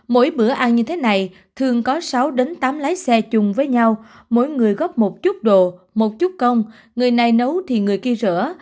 mỗi bữa ăn như thế này thường có sáu đến tám lái xe chung với nhau mỗi người góp một chút đồ một chút công người này nấu thì người kia rửa